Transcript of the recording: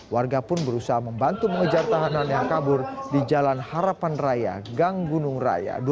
warga pun berusaha membantu mengejar tahanan yang kabur di jalan harapan raya gang gunung raya